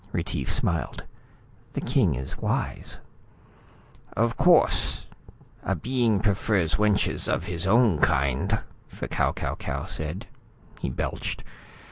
Retief smiled. "The king is wise." "Of course, a being prefers wenches of his own kind," F'Kau Kau Kau said. He belched.